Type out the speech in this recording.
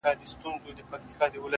څنگه دي وستايمه؛